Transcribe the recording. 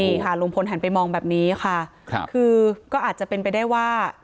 นี่ค่ะลุงพลหันไปมองแบบนี้ค่ะครับคือก็อาจจะเป็นไปได้ว่า